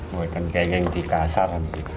buatkan kayaknya yang dikasar